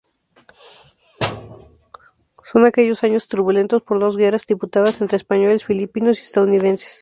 Son aquellos años turbulentos por dos guerras disputadas entre españoles, filipinos y estadounidenses.